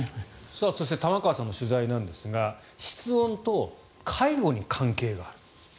そして玉川さんの取材ですが室温と介護に関係がある。